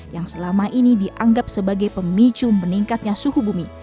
yang selama ini dianggap sebagai pemicu meningkatnya suhu bumi